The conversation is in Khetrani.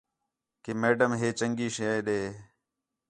کہ میڈم ہے ڈی چنڳی چھے ݙے